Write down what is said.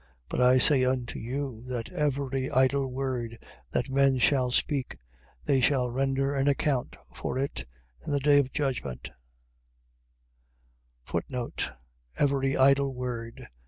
12:36. But I say unto you, that every idle word that men shall speak, they shall render an account for it in the day of judgment. Every idle word.